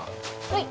はい。